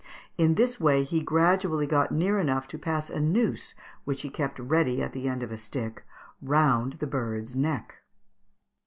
In this way he gradually got near enough to pass a noose, which he kept ready at the end of a stick, round the bird's neck (Fig.